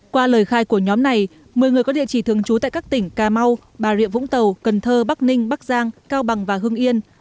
qua lời khai của nhóm này một mươi người có địa chỉ thường trú tại các tỉnh cà mau bà rịa vũng tàu cần thơ bắc ninh bắc giang cao bằng và hưng yên